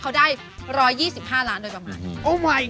เขาได้๑๒๕ล้านโดยประมาณนี้